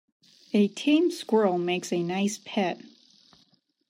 A tame squirrel makes a nice pet.